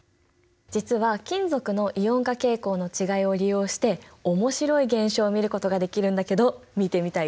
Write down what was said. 実は金属のイオン化傾向の違いを利用して面白い現象を見ることができるんだけど見てみたい？